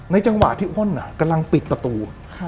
จังหวะที่อ้นกำลังปิดประตู